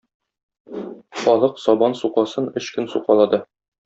Халык сабан сукасын өч көн сукалады.